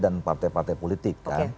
dan partai partai politik